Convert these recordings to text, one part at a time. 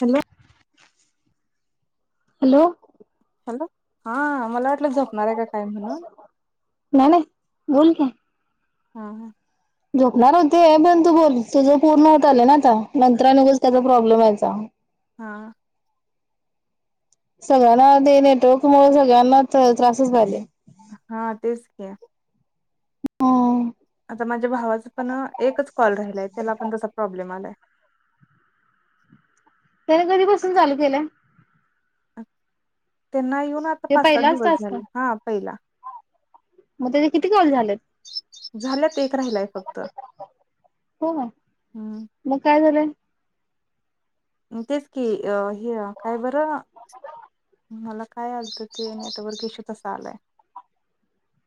Hello hello hello हा मला वाटलं झपणार आहे का काय म्हणून नाही नाही बोल का हम हम झोपणार होते पण तू बोल तुझं पूर्ण होत आलं ना आता नंत्रनकच त्याचा प्रॉब्लेम यायचा हा सगळ्यांना ते नेटवर्क मु सगळ्यांना त्रासच झाले हा तेच क ह आता माझ्या भावाचा पण एकच कॉल राहिलाय त्याला पण तसा प्रॉब्लेम आलाय त्याने कधीपासून चालू केलं अ त्यांना येऊन आता ते पाच सात पहिलाच दिवस टास्क झाले हा पहिला मग त्याचे किती कॉल झालेत झाल्यात एक राहिलाय फक्त् हो का मग काय झालंय तेच कि अ हे काय बरं मला काय आत ते नता व केेशू तसा आलाय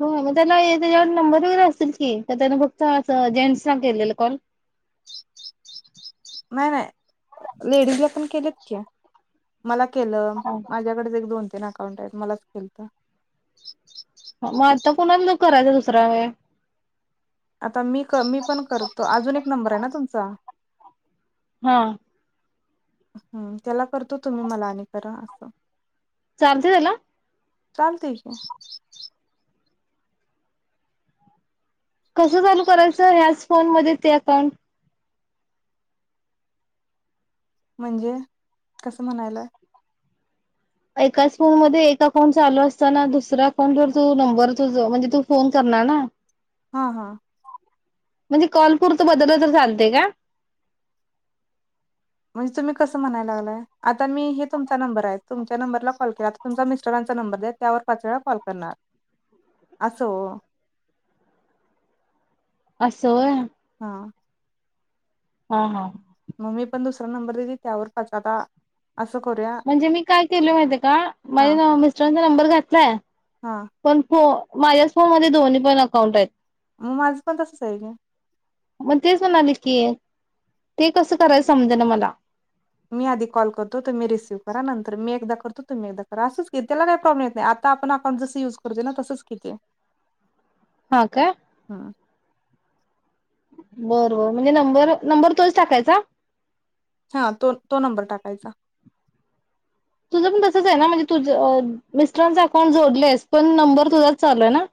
ह मग त्याला त्याच्यावर नंबर वगैरे असतील कि तर त्यान फक्त जेंट्स ना केलेलं कॉल नाही नाही नाही लेडीज ला पण केलेत की मला केलं माझ्याकडेच एक दोन अकाउंट आहेत मलाच खलत करायचं दुसरा्या व आता मी मी पण करतो अजून एक नंबर आहे ना तुमचा हम हम्म त्याला करतो तुम्ही मला आणि करा असं चार्जेसला चालते की. कसं चालू करायचं? ह्याच फोन मध्ये ते अकाउंट. म्हणजे, कसं म्हणायलाय? एकाच फोन मध्ये एक अकाउंट चालू असताना. दुसऱ्या अकाउंट वर तू नंबर तुझ म्हणजे तू फोन करणार ना. हा हा. म्हणजे कॉल पूरत बदल तर चालतय काय? म्हणजे तुम्ही कसं म्हणाय लागलाय? आता मी हे तुमचा नंबर आहे, तुमच्या नंबरला कॉल केला आता तुमच्या मिस्टरांचा नंबर दया त्यावर पाच वेळा कॉल करणार, अस ओ. अस व्हय. हा. हा हा. मम्मी पण दुसरा नंबर दिली, त्यावर पाच आता. असं करूया म्हणजे मी काय केलोय माहिती आहे का. हा माझ्या नव मिस्टरांच नंबर घातलाय. हा पण फो माझ्याच फोन मध्ये दोन्ही पण अकाउंट आहेत. मग माझं पण तसंच आहे की. मग तेच म्हणाले की, ते कसं करायचं समज ना मला. मी आधी कॉल करतो तुम्ही रिसिव्ह करा. नंतर मी एकदा करतो तुम्ही एकदा करा असंच की त्याला काही प्रॉब्लेम येत नाही. आता आपण अकाउंट जसं युज करतो ना तसंच की ते. हा काय? बर बर म्हणजे नंबर नंबर तोच टाकायचा? हा तो तो नंबर टाकायचा. तुझं पण तसंच हाय ना म्हणजे मिस्टरांच अकाऊंट जोडलयस पण नंबर तुझाच चालू आहे ना.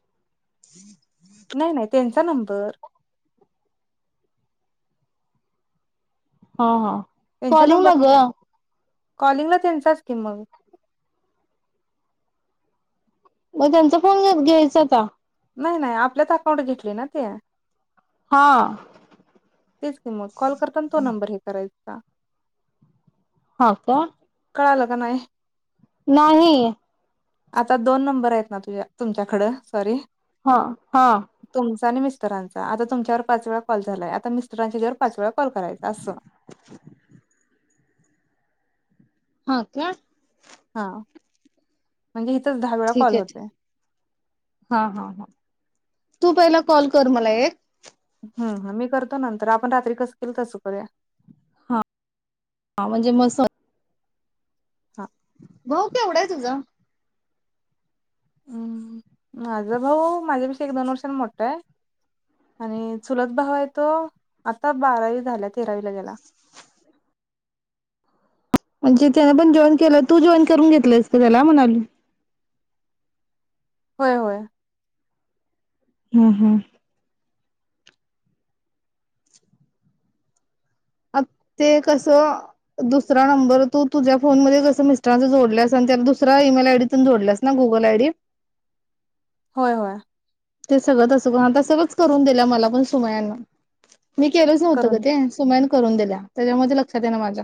नाही नाही त्यांचा नंबर. हा हा. त्यांच्या कॉलिंग ला नंबरला ग? कॉलिंगला त्यांचाच की मग. मग त्यांचा फोन घेत घ्यायचा आता. नाही नाही आपल्यात अकाउंट घेतलय ना ते. हा. तेच की मग कॉल करताना तो नंबर हे कराय हा. हा का? कळालं काय नाही? नाही. आता दोन नंबर आहेत ना, तुझ्या तुमच्याकडं सॉरी. हा हा. तुमचा आणि मिस्टरांचा. आता तुमच्यावर पाच वेळा कॉल झालाय. आता मिस्टरानच्या हेज्यावर पाच वेळा कॉल करायच अस. हो का? हा म्हणजे दहा वेळा ठीक कॉल आहे ठीक होते. हा हा हा तू पहिला कॉल कर मला एक हा हा मी करतो नंतर रात्री कसं केलं होतं तसं करूया. हा म्हणजे मस हा भाऊ केवढा आहे तुझा? उमं माझा भाऊ माझ्यापेक्षा एक दोन वर्षांनी मोठा आहे. आणि चुलत भाऊ तो बारावी झाली. तेरावी ला गेला. म्हणजे त्यांना पण जेवण केलं तू जेवण करून घेतलस काय त्याला म्हणाली. होय, होय, हम्म, हम्म, ते कसं दुसरा नंबर तो तुझ्या फोनमध्ये कसा मिस्टरांचा जोडला असेल पण त्यांना दुसऱ्या ईमेल आयडी पण जोडला आहेस गुगल आयडी? होय, होय, ते सगळं तसं पण सगळंच करून दिल पण सुमयान. मी केलंच नव्हतं ग करून ते सुमन करून दिल्या त्याच्या मध्ये लक्षात येईना माझ्या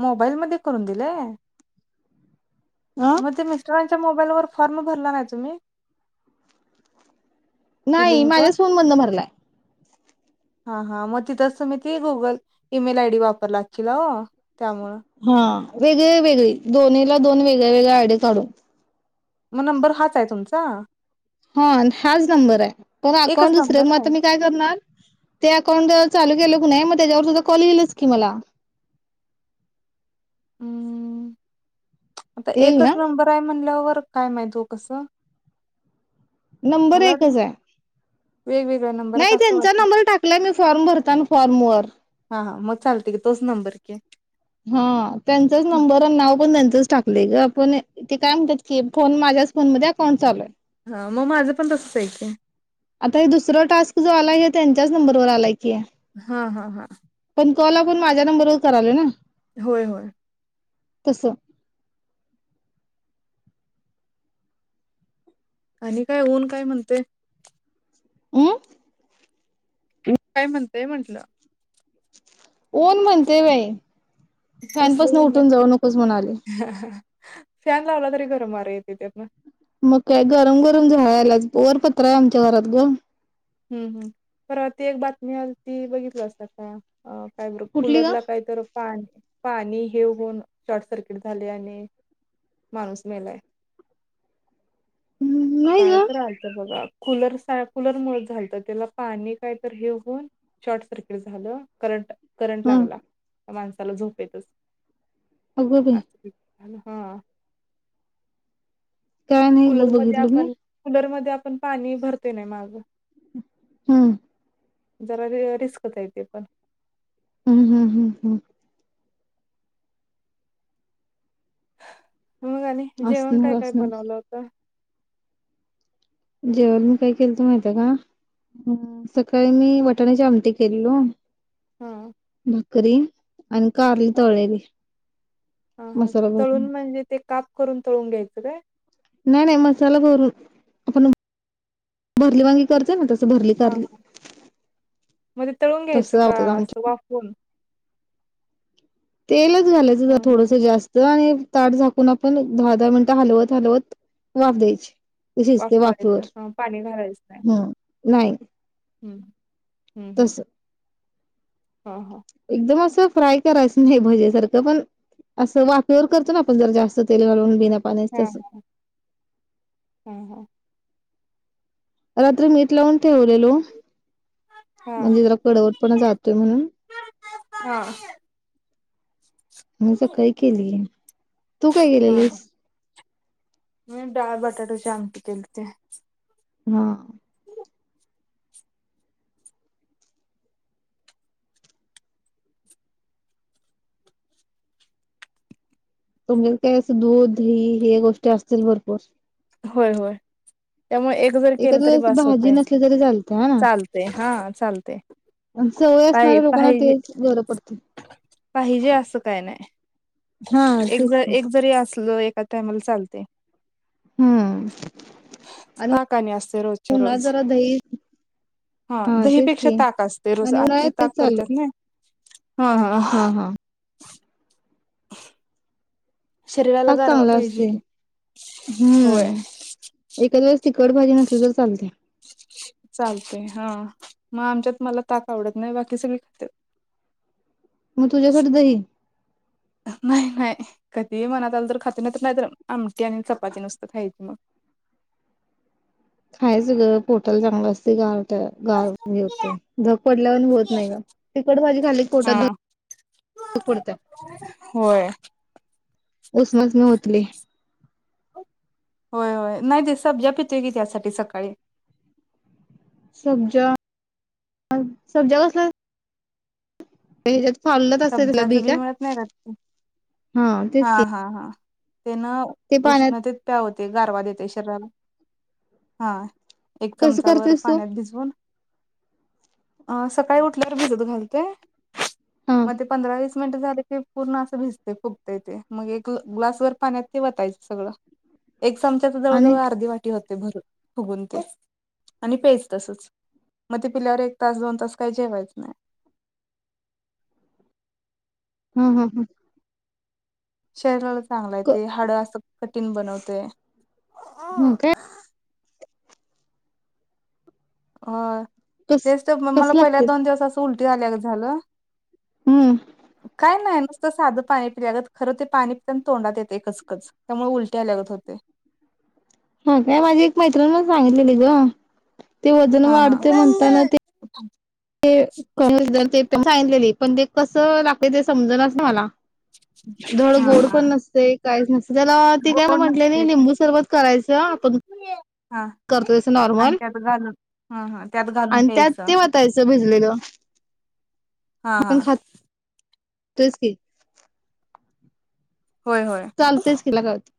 मोबाईल मध्ये करून दिलाय? आ मग ते मिस्टरांच्या मोबाईलवर फॉर्म भरला नाही तुम्ही? ती नाही लिंक माझ्या फोन मधन भरलाय. हा हा तिथे असतं मग गुगल ईमेल आयडी वापरला की ओ त्यामुळ हा वेगळे, वेगळी. दोन्ही ला दोन वेगळे -वेगळे आयड काढून. मग, नंबर हाचय तुमचा. ह, हाच नंबराय. पण एकच अकाउंट दुसर नंबर म आहे ता मी काय करणार, ते अकाउंट चालू केलं किनाई, मग त्याच्यावर तुझा कॉल येलच की मला. [unintelligible] आता येईल एकच ना? नंबर आहे म्हणल्यावर काय माहित, हो कसं? नंबर मला वाटलं एकच आहे. वेगवेगळ्या नंबर आहेत नाही असं त्यांचा वाटलं नंबर टाकला मी फॉर्म भरतान. फॉर्म वर. हा हा मग चालते की तोच नंबर की. हा, त्यांचाच नंबर न नाव पण त्यांचच टाक. ते ग, आपण तेे काय म्हणतात की, फोन माझ्याच फोन मध्ये अकाउंट चालूय. मग मा माझं पण तसच हाय की. आता हे दुसर टास्क जो आलाय, हे त्यांच्याच नंबरवर आलाय की. हा, हा, हा. कॉल आपण माझ्या नंबरवर करायलो ना? होय, होय. तसं आणि काय, ऊन काय म्हणतय? अमं. तु [unintelligible] काय म्हणताय म्हंटलं? ऊन म्हणतेय बाई. कसलं फॅनपासन ऊन उठून जाऊ नकोस म्हणाले फॅन लावला तरी गरम वार येत त्यातन मग काय गरम गरम झळा याल्यात वर पत्रा हम्म. आमच्या घरात ग मि आलती बघितल असतात का अ काय बर कुठली ग कुलरला काय करु पाण पाणी हे होऊन शॉर्ट सर्किट झाले आणि माणूस मेलाय. नाही काय ग तर आलत. कुलर कुलर मुळच झालत, त्याला पाणी काय तर हे होऊन शॉर्ट सर्किट झालं. करंट करंट ह लागला. माणसाला झोपेतच अग बाई असं ते झालं हा काय नाही ग बघितलं मी. ते आपण पाणी भरतय नाही माग हम्म जरा ते रिस्कच आहे ते पण हम्म हम्म हम्म हम्म मग आणि जेवण काय असणार काय असणार बनवल होत. जेवण मी काय केलंत महितियेका का, सकाळी मी वटाण्याच्या आमटी केलेलो हा भाकरी आणि कारली हा तळलेली हा हा मसाला तळून भरून म्हणजे ते काप करून तळून घ्यायचं काय? नाही नाही मसाला भरून आपण भरली वांगी करतो ना तस हा हा म ते तळून घ्यायचं तसं का आवडतात अस आमच्या वाफून तेल घालायचं जरा हा थोडस जास्त आणि ताट झाकून आपण दहा दहा मिनिटं हलवत हलवत वाफ द्यायची. शिजते वाफवर वाफवायचं हा पाणी हम् नाही हम्म हम्म हम्म तस ह ह एकदम असं फ्राय करायचं नाही भज्यासारखं पण असं वाफेवर करतो ना आपण जरा जास्त तेल घालून बिना पाण्याचं हा तसं हा हा रात्री मीठ लावून ठेवलेलो हा म्हणजे जरा कडवट पणा जातोय म्हणून हा मग सकाळी केलीय. तू काय हा केलेलीस? मी डाळ बटाट्याची आमटी केलती. हा तुमच्यात काय असं दूध ही हे गोष्टी असतील भरपूर. होय होय त्यामुळे एक जरी केलं एखाद तरी वेळेस बास भाजी होते नसली तरी चालते हा ना चालते हा चालते सवय पा असणाऱ्या लोकांना पाहि तेच बरं पडते पाहिजे असं काय नाही. हा एक ज तेच की एक जरी असलं एक टायमाला चालते. हा आणि ताक असते रोजच्या उन्हात रोज जरा दही हा तेच दहीपेक्षा की ताक असते रोज आणि उन्हाळ्या तेच चालू हम ह हा हा शरीराला ताक गारवा चांगलं पाहिजे असते की होय हम्म एखाद्या तिखट भाजी नसली तर चालते. चालते हा मग आमच्यात मला ताक आवडत नाही बाकी सगळी खातेत. मग तुझ्यासाठी दही नाही नाही कधी मनात आलं तर खाते नायत् नायतर तर आमटी आणि चपाती नुसतं खायची मग. खायचं ग पोटाल चांगलं असते गा गार हे होतंय धग पडल्यावानी होत नाही ग तिखट भाजी खाल्ली‌ की पोटात हा धग पडत होय [unintelligible] होय होय नाही ते सब्जा पितोय की त्यासाठी सकाळी. सब्जा सब्जा कसला [unintelligible] [unintelligible] असतंय तलं बी सब्जाचं का मिळत नाही हा तेच की. हा हा ते ना ते पाण्यात उष्णतेत प्याव ते गारवा देते शरीराला हा एक कसं चमचाभर करतेस तू पाण्यात भिजवून अ सकाळी उठल्यावर भिजत घालते. हा मध्ये पंधरा वीस मिनटं झालं की पूर्ण असं भिजते फुगतंय ते मग एक ग्लासभर पाण्यात ते वतायच सगळं. एक चमच्याच आणि जवळजवळ अर्धी वाटी होत भर फुगून ते आणि पेयचं तसंच मग ते पिल्यावर एक तास दोन तास काही जेवायच नाही. हम् हम्म हम् शरीर चांगलाय ते हाड असं ठीण बनवते ह काय? होय कस तेच त मला कसं पहिल्या लागते दोन दिवस अस उल कुठ आल्यागत झालं हम्म काय नाही? साधं पाणी पिल्यागत खरं ते पाणी पिताना तोंडात येते कचकच त्यामुळे उलटी आल्यागत होतय हा काय माझी एक मैत्रिणी सांगितलेली ग ते वजन हा हा वाढते म्हणताना ते ते कागसदार ते सांगितलेली पण ते कसं लागते ते समजणाच मला धड हा गोड हा पण नसते काहीच नस त्याला ते काय गोड म्हटले नि नसते लिंबू सरबत करायचं आपण हा करतो तस आणि नॉर्मल त्यात घालून हा हा त्यात घालून आणि त्यात प्यायचं ते भिजलेलं हा हा आपण खात तेच की होय होय चालतेच तिला काय होतय